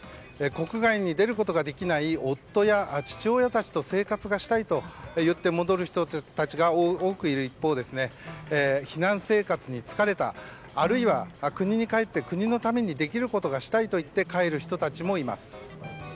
国外に出ることができない夫や父親たちと生活がしたいといって戻る人たちが多くいる一方避難生活に疲れたあるいは、国に帰って国のためにできることがしたいといって帰る人たちもいます。